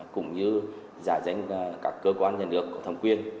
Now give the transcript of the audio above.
cũng như giả danh các cơ quan nhận được thông quyền